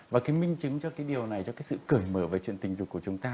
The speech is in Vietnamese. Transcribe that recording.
và cái minh chứng cho cái điều này cho cái sự cởi mở về chuyện tình dục của chúng ta